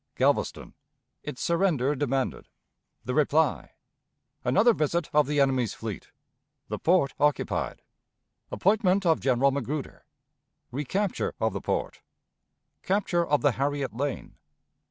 Galveston. Its Surrender demanded. The Reply. Another visit of the Enemy's Fleet. The Port occupied. Appointment of General Magruder. Recapture of the Port. Capture of the Harriet Lane.